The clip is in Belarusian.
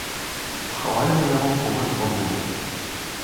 Пахавалі мы яго побач з бабуляю.